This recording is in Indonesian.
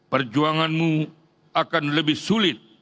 perjuanganmu akan lebih sulit